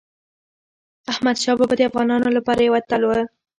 احمدشاه بابا د افغانانو لپاره یو اتل و.